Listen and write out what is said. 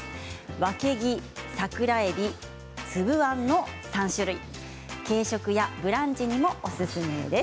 わけぎ、桜えび、粒あんの３種類軽食やブランチにもおすすめです。